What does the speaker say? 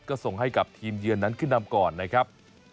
ก็ส่งให้กับทีมเยือนนั้นขึ้นนำก่อนนะครับ